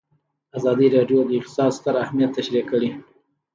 ازادي راډیو د اقتصاد ستر اهميت تشریح کړی.